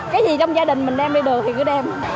cái gì trong gia đình mình đem đi được thì cứ đem